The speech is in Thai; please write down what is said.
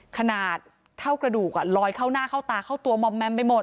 ขนาดเท่ากระดูกลอยเข้าหน้าเข้าตาเข้าตัวมอมแมมไปหมด